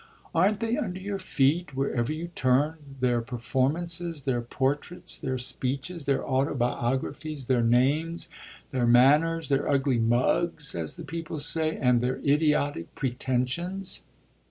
"Aren't they under your feet wherever you turn their performances, their portraits, their speeches, their autobiographies, their names, their manners, their ugly mugs, as the people say, and their idiotic pretensions?"